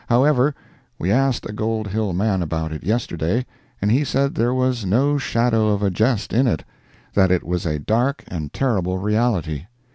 However, we asked a Gold Hill man about it yesterday, and he said there was no shadow of a jest in it—that it was a dark and terrible reality.